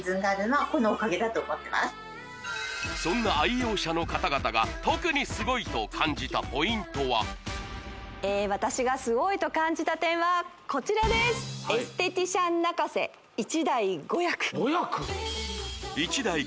そんな愛用者の方々が特にすごいと感じたポイントは私がすごいと感じた点はこちらですそうなんですよ